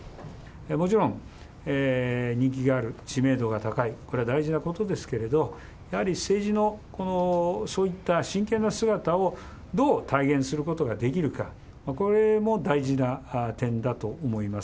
もちろん、人気がある、知名度が高い、これは大事なことですけれど、やはり政治の、この、そういった真剣な姿をどう体現することができるか、これも大事な点だと思います。